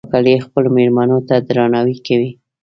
کاکړي خپلو مېلمنو ته درناوی کوي.